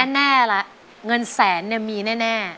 แน่ละเงินแสนมีแน่